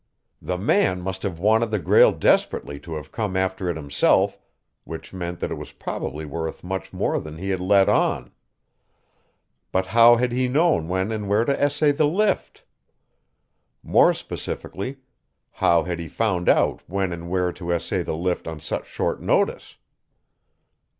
The man must have wanted the Grail desperately to have come after it himself, which meant that it was probably worth much more than he had let on. But how had he known when and where to essay the lift? More specifically, how had he found out when and where to essay the lift on such short notice?